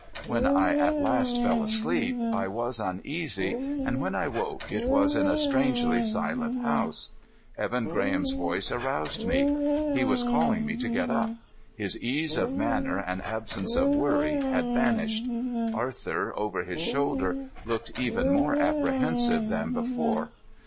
When I at last fell asleep, I was uneasy, and when I woke, it was in a strangely silent house. Evan Graham's voice aroused me. He was calling me to get up. His ease of manner and absence of worry had vanished. Arthur, over his shoulder, looked even more apprehensive than before.